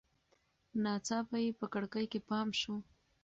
ناڅاپه یې په کړکۍ کې پام شو.